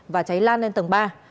và cháy lan lên tầng ba